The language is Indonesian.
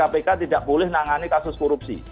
atau tidaknya tidak boleh berhadapan korupsi